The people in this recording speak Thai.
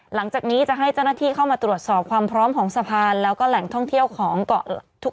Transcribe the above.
หลังจากนี้จะให้เจ้าหน้าที่เข้ามาตรวจสอบความพร้อมของสะพานแล้วก็แหล่งท่องเที่ยวของเกาะทุก